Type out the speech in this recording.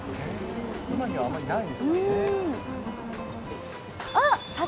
今ではあまりないですよね。